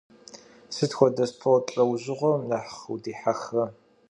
Sıt xuede sport lh'eujığuem nexh vudihexre?